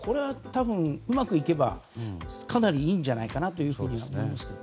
うまくいけば、かなりいいんじゃないかと思います。